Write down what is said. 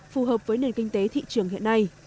phù hợp với nền kinh tế thị trường hiện nay